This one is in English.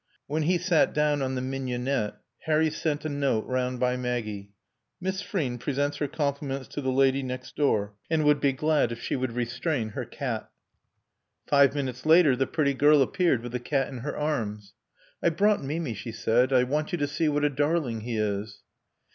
When he sat down on the mignonette Harriett sent a note round by Maggie: "Miss Frean presents her compliments to the lady next door and would be glad if she would restrain her cat." Five minutes later the pretty girl appeared with the cat in her arms. "I've brought Mimi," she said. "I want you to see what a darling he is."